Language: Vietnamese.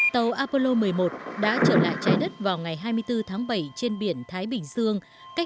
tàu apollo một mươi một đã trở lại trái đất vào ngày hai mươi bốn tháng bảy trên biển thái bình dương cách